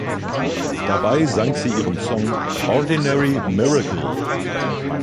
Dabei sang sie ihren Song „Ordinary Miracle“.